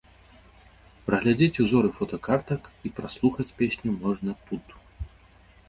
Праглядзець узоры фотакартак і праслухаць песню можна тут.